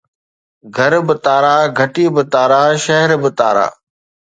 گهر به تارا، گهٽي به تارا، شهر به تارا